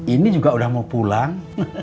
ini juga udah mau pulang